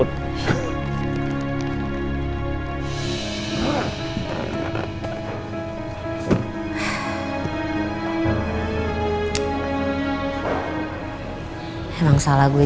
jangan pegang pegang ya